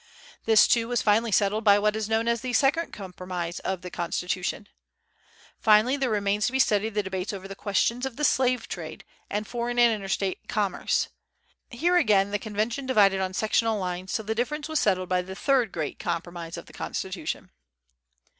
This, too, was finally settled by what is known as the second compromise of the Constitution. Finally there remains to be studied the debates over the questions of the slave trade, and foreign and interstate commerce. Here again the Convention divided on sectional lines, till the difference was settled by the third great compromise of the Constitution.